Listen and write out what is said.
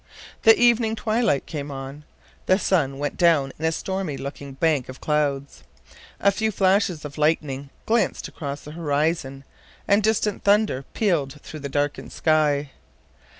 The evening twilight came on. The sun went down in a stormy looking bank of clouds. A few flashes of lightning glanced across the horizon and distant thunder pealed through the darkened sky.